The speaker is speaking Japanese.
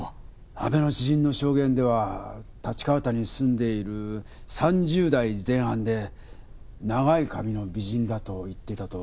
阿部の知人の証言では立川辺りに住んでいる３０代前半で長い髪の美人だと言っていたと。